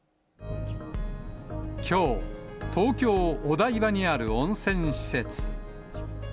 きょう、東京・お台場にある温泉施設。